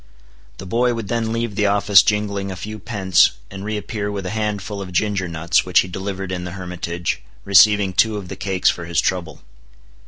The boy would then leave the office jingling a few pence, and reappear with a handful of ginger nuts which he delivered in the hermitage, receiving two of the cakes for his trouble.